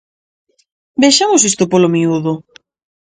Vexamos isto polo miúdo.